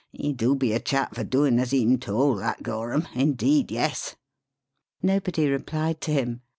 'E do be a chap for doin' as heem tole, that Gorham indeed, yes!" Nobody replied to him.